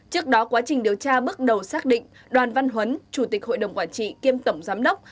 trước đó quá trình điều tra bước đầu xác định đoàn văn huấn chủ tịch hội đồng quản trị kiêm tổng giám đốc